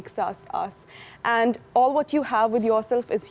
dan semua yang anda miliki dengan diri sendiri adalah anda